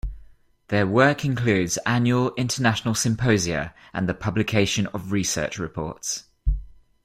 Their work includes annual international symposia and the publication of research reports.